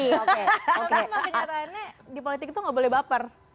tapi sebenarnya di politik itu gak boleh baper